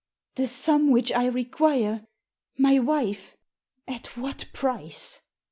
"The sum which I require — my wife, at what price?"